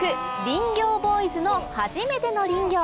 林業ボーイズのはじめての林業。